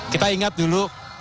kita ingat dulu